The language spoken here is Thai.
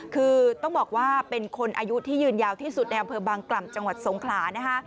คือต้องบอกว่าเป็นคนอายุที่ยืนยาวที่สุดในอำเภอบางกล่ำจังหวัดสงขลานะคะ